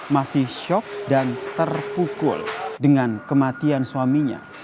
masih shock dan terpukul dengan kematian suaminya